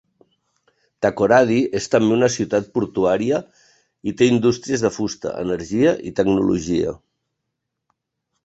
Takoradi és també una ciutat portuària i té indústries de fusta, energia i tecnologia.